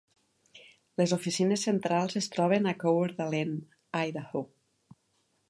Les oficines centrals es troben a Coeur d'Alene, Idaho.